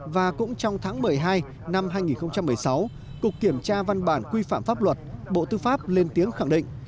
và cũng trong tháng một mươi hai năm hai nghìn một mươi sáu cục kiểm tra văn bản quy phạm pháp luật bộ tư pháp lên tiếng khẳng định